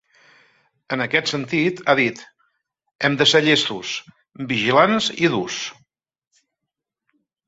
En aquest sentit, ha dit: ‘Hem de ser llestos, vigilants i durs’.